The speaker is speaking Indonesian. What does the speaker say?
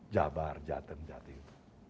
jabar jateng jatim